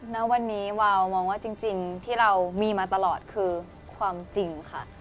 ณวันนี้วาวมองว่าจริงที่เรามีมาตลอดคือความจริงค่ะ